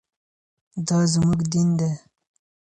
دا زموږ دین دی.